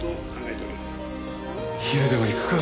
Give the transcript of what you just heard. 昼でも行くか。